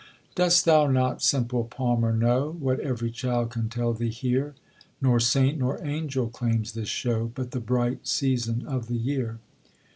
Dost thou not, simple Palmer, know, What every child can tell thee here?— Nor saint nor angel claims this show, But the bright season of the year.